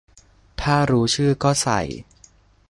ถ้ารู้ชื่อก็ใส่